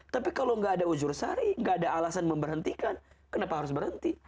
tapi kalau nggak ada usur sari nggak ada alasan memberhentikan kenapa harus berhenti